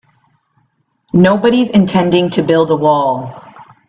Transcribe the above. Nobody's intending to build a wall.